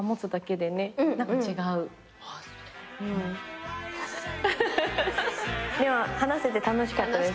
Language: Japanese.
でも話せて楽しかったです。